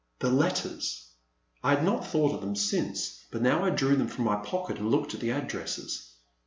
The letters ! I had not thought of them since, but now I drew them from my pocket and looked at the addresses.